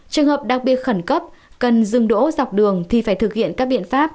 trường hợp đặc biệt khẩn cấp cần dừng đỗ dọc đường thì phải thực hiện các biện pháp